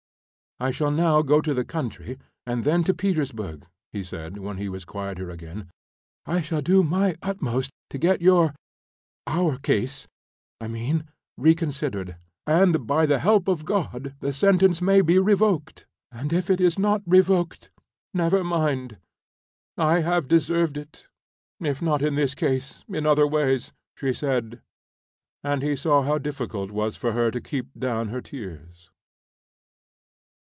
"I shall now go to the country, and then to Petersburg," he said, when he was quieter again. "I shall do my utmost to get your our case, I mean, reconsidered, and by the help of God the sentence may be revoked." "And if it is not revoked, never mind. I have deserved it, if not in this case, in other ways," she said, and he saw how difficult it was for her to keep down her tears.